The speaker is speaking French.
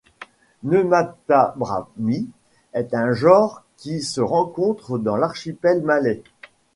Nematabramis est un genre qui se rencontre dans l'archipel malais.